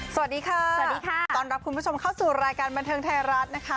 สวัสดีค่ะสวัสดีค่ะต้อนรับคุณผู้ชมเข้าสู่รายการบันเทิงไทยรัฐนะคะ